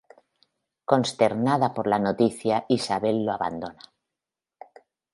Consternada por la noticia Isabel lo abandona.